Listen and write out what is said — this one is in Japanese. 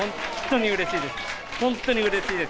本当にうれしいです。